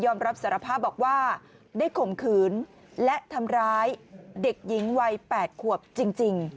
รับสารภาพบอกว่าได้ข่มขืนและทำร้ายเด็กหญิงวัย๘ขวบจริง